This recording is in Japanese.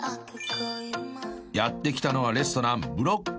［やって来たのはレストラン］